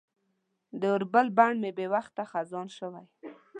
د اوربل بڼ مې بې وخته خزان شوی